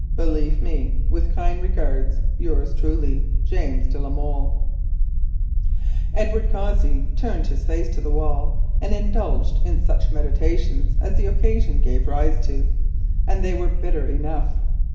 "Believe me, with kind regards, "Truly yours, "James de la Molle." Edward Cossey turned his face to the wall and indulged in such meditations as the occasion gave rise to, and they were bitter enough.